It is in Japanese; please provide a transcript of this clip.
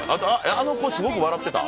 あの子すごく笑ってた？